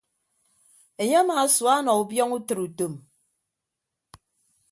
Enye amaasua ọnọ ubiọñ utịre utom.